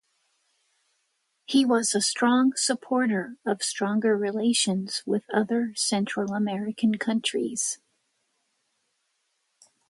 He was a strong supporter of stronger relations with other Central American countries.